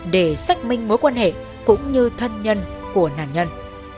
để xác minh mối quan hệ cũng như thân nhân của nạn nhân